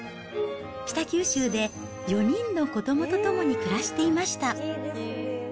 北九州で４人の子どもとともに暮らしていました。